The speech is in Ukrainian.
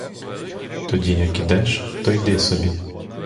Тоді як ідеш, — то йди собі!